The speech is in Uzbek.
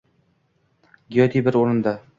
Gyote bir oʻrinda